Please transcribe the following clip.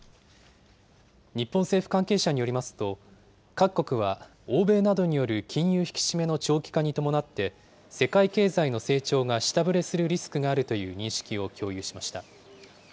日本政府関係者によりますと、各国は欧米などによる金融引き締めの長期化に伴って、世界経済の成長が下振れするリスクがあるという認識を共有しました。